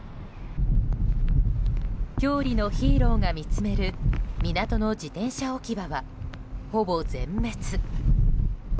郷里のヒーローが見つめる港の自転車置き場はほぼ全滅。